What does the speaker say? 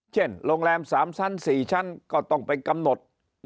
เช่นโรงแรม๓ชั้น๔ชั้นก็ต้องไปกำหนด